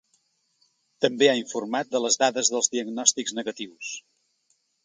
També ha informat de les dades dels diagnòstics negatius.